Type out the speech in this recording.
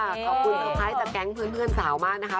ขอบคุณท้ายจากแก๊งเพื่อนสาวมากนะคะ